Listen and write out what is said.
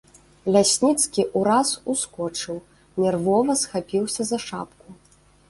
Лясніцкі ўраз ускочыў, нервова схапіўся за шапку.